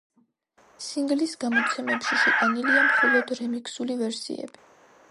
სინგლის გამოცემებში შეტანილია მხოლოდ რემიქსული ვერსიები.